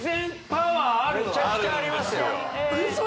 めちゃくちゃありますよ